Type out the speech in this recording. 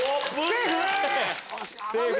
セーフ？